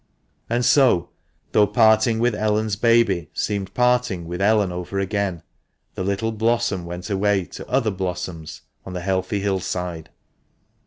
And so, though parting with Ellen's baby seemed parting with Ellen over again, the little blossom went away to other blossoms on the healthy 'hill side.